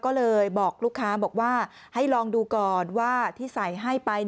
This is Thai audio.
ก็เลยบอกลูกค้าบอกว่าให้ลองดูก่อนว่าที่ใส่ให้ไป